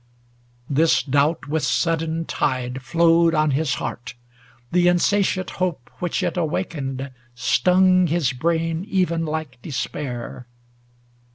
This doubt with sudden tide flowed on his heart ; 220 The insatiate hope which it awakened stung His brain even like despair.